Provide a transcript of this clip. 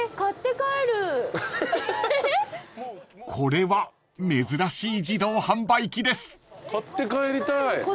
［これは珍しい自動販売機です］